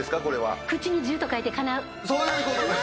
そういうことです。